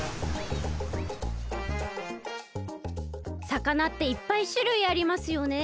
さかなっていっぱいしゅるいありますよね。